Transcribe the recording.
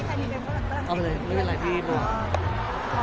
พี่เอ็มเค้าเป็นระบองโรงงานหรือเปลี่ยนไงครับ